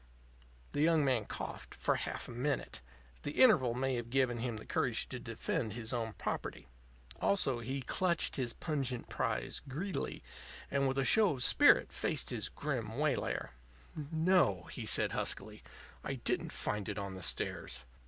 The young man coughed for half a minute. The interval may have given him the courage to defend his own property. Also, he clutched his pungent prize greedily, and, with a show of spirit, faced his grim waylayer. "No," he said huskily, "I didn't find it on the stairs.